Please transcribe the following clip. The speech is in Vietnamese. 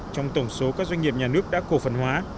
trong tổng số các doanh nghiệp nhà nước đã cổ phần hóa